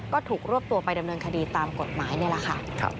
ก็ถูกรวบตัวไปดำเนินคดีตามกฎหมายนี่แหละค่ะ